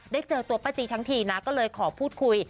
เจอตัวป้าจีทั้งทีนะก็เลยขอพูดคุย